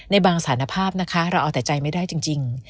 ในบางสารภาพนะคะเราเอาแต่ใจไม่ได้จริง